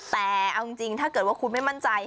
แต่เอาจริงถ้าเกิดว่าคุณไม่มั่นใจ